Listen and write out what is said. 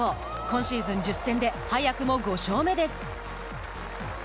今シーズン１０戦で早くも５勝目です。